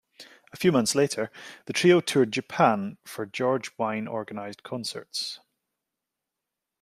A few months later, the trio toured Japan for George Wein-organized concerts.